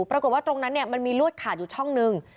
ปรากฏว่าตรงนั้นมันมีลวดขาดอยู่ช่องหนึ่ง